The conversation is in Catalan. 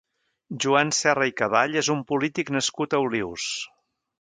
Joan Serra i Caball és un polític nascut a Olius.